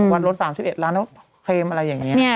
วันลด๓๑ล้านแล้วเคลมอะไรอย่างนี้